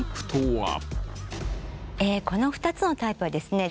この２つのタイプはですね